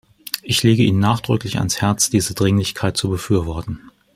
Ich lege Ihnen nachdrücklich ans Herz, diese Dringlichkeit zu befürworten.